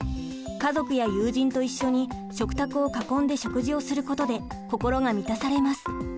家族や友人と一緒に食卓を囲んで食事をすることで心が満たされます。